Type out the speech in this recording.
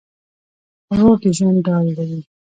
ورور د ژوند ډال وي.